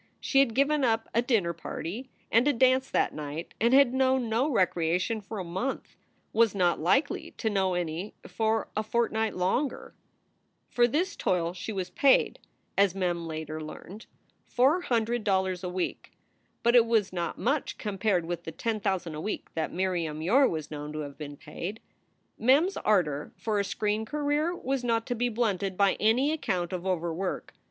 She had given up a dinner party and a dance that night, and had known no recreation for a month was not likely to know any for a fortnight longer. For this toil she was paid, as Mem later learned, four 15 218 SOULS FOR SALE hundred dollars a week. But it was not much compared with the ten thousand a week that Miriam Yore was known to have been paid. Mem s ardor for a screen career was not to be blunted by any account of overwork.